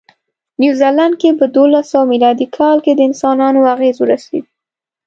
نیوزیلند ته په دوولسسوه مېلادي کې د انسانانو اغېز ورسېد.